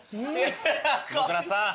坪倉さん。